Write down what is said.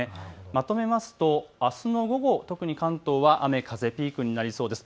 まとめますとあすの午後、特に関東は雨、風ピークになりそうです。